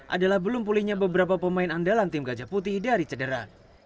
adalah belum pulihnya beberapa pemain andalan tim gajah putih dari cedera